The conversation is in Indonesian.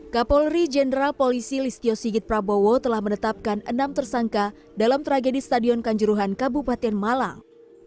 kapolri jenderal polisi listio sigit prabowo telah menetapkan enam tersangka dalam tragedi stadion kanjuruhan kabupaten malang